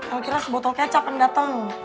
el kira sebotol kecap kan datang